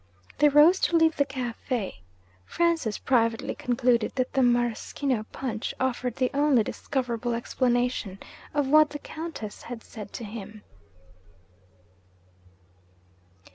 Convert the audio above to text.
They rose to leave the cafe. Francis privately concluded that the maraschino punch offered the only discoverable explanation of what the Countess had said to him.